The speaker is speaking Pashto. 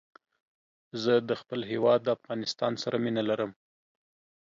زه د خپل هېواد افغانستان سره مينه لرم